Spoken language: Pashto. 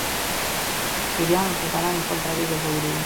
پېریان او شیطانان یې خپل تابع ګرځولي وو.